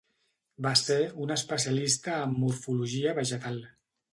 Va ser un especialista en morfologia vegetal.